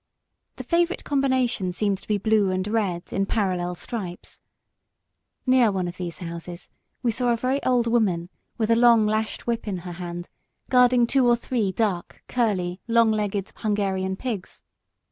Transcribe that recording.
The favourite combination seemed to be blue and red, in parallel stripes. Near one of these houses we saw a very old woman with a long lashed whip in her hand, guarding two or three dark, curly, long legged Hungarian pigs.